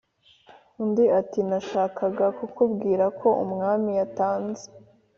” Undi ati:”Nashakaga kukubwira ko umwami yatanze”